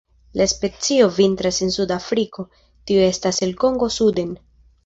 La specio vintras en suda Afriko, tio estas el Kongo suden.